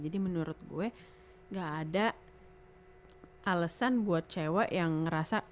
jadi menurut gue gak ada alasan buat cewek yang ngerasa